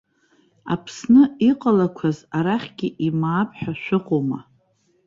Аԥсны иҟалақәаз арахьгьы имаап ҳәа шәыҟоума?